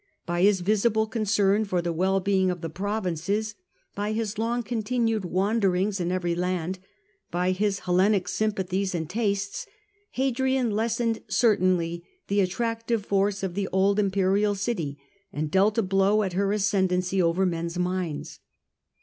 By his visible concern for the wellbeing of the provinces, by his long continued wanderings in every land, by his Hel lenic sympathies and tastes, Hadrian lessened certainly the attractive force of the old im perial city, and dealt a blow at her ascendancy over men's minds.